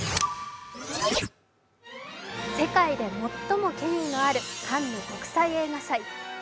世界で最も権威のあるカンヌ国際映画祭。